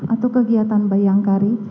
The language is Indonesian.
atau kegiatan bayangkari